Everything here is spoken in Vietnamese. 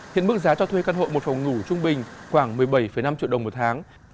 hiện mức giá cho thuê căn hộ một phòng ngủ trung bình khoảng một mươi bảy năm triệu đồng một tháng